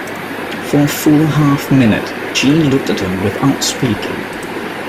For a full half minute Jeanne looked at him without speaking.